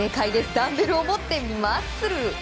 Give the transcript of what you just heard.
ダンベルを持ってマッスル！